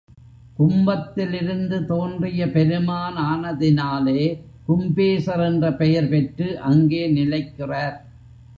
கும்பத்திலிருந்து தோன்றிய பெருமான் ஆனதினாலே கும்பேசர் என்ற பெயர் பெற்று அங்கே நிலைக்கிறார்.